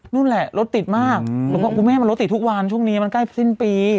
นั่นแหละรถติดมากหนูบอกคุณแม่มันรถติดทุกวันช่วงนี้มันใกล้สิ้นปี